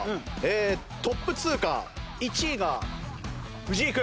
トップ通過１位が藤井君。